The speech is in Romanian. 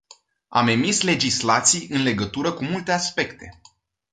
Am emis legislații în legătură cu multe aspecte.